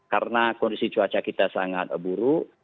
karena kondisi cuaca kita sangat buruk